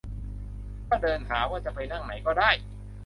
ก็เดินหาว่าจะไปนั่งไหนได้